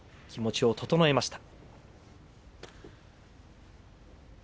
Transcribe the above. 気持ちを整えました。